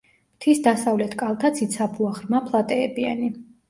მთის დასავლეთ კალთა ციცაბოა, ღრმა ფლატეებიანი.